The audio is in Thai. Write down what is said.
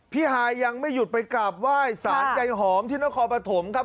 ฮายยังไม่หยุดไปกราบไหว้สารใยหอมที่นครปฐมครับ